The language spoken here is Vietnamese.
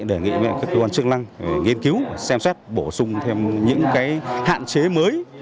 đề nghị với các cơ quan chức năng nghiên cứu xem xét bổ sung thêm những hạn chế mới